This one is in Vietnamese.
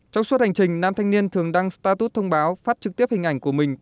trong suốt hành trình nam thanh niên thường đăng status thông báo phát trực tiếp hình ảnh của mình